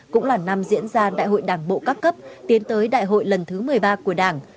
cũng là năm diễn ra đại hội đảng bộ các cấp tiến tới đại hội lần thứ một mươi ba của đảng